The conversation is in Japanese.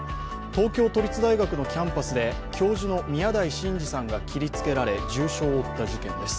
東京都立大学のキャンパスで教授の宮台真治さんが切りつけられ、重傷を負った事件です。